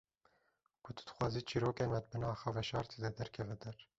Ku tu dixwazî çîrokên me di bin axa veşartî de derkeve der.